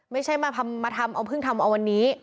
ไม่ใช่มาทำเอาเพิ่งทำเอาวันนี้